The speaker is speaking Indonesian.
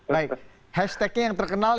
baik hashtagnya yang terkenal